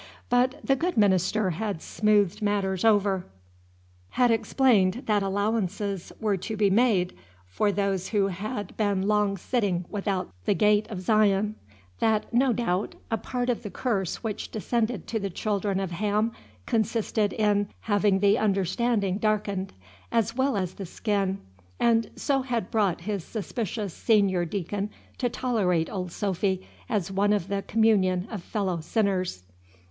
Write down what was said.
But, the good minister had smoothed matters over: had explained that allowances were to be made for those who had been long sitting without the gate of Zion, that, no doubt, a part of the curse which descended to the children of Ham consisted in "having the understanding darkened," as well as the skin, and so had brought his suspicious senior deacon to tolerate old Sophy as one of the communion of fellow sinners.